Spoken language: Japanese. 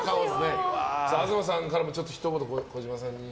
東さんからもひと言、児嶋さんに。